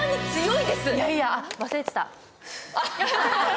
いやいや忘れてた。